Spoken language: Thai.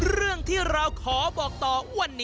เรื่องที่เราขอบอกต่อวันนี้